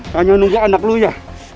hanya nunggu anak lu ya